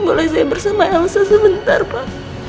boleh saya bersama elsa sebentar pak